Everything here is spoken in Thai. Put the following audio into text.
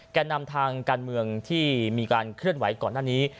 แก่นำทางการเมืองที่มีการเคลื่อนไหวก่อนหน้านี้